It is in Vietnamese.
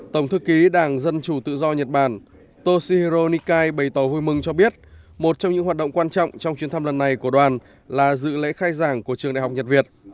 tổng thư ký đảng dân chủ tự do nhật bản toshihiro nikai bày tỏ vui mừng cho biết một trong những hoạt động quan trọng trong chuyến thăm lần này của đoàn là dự lễ khai giảng của trường đại học nhật việt